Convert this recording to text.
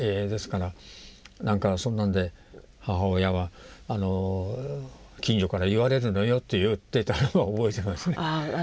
なんかそんなんで母親は「近所から言われるのよ」と言ってたのは覚えてますね。